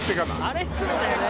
あれ失礼だよね。